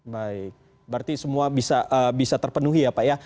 baik berarti semua bisa terpenuhi ya pak ya